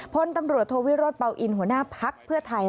พลตำรวจโทวิโรธเป่าอินหัวหน้าพักเพื่อไทย